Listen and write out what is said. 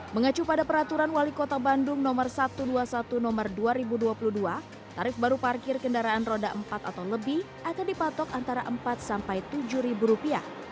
mengacu pada peraturan wali kota bandung no satu ratus dua puluh satu nomor dua ribu dua puluh dua tarif baru parkir kendaraan roda empat atau lebih akan dipatok antara rp empat sampai rp tujuh